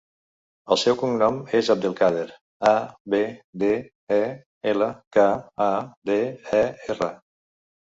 El seu cognom és Abdelkader: a, be, de, e, ela, ca, a, de, e, erra.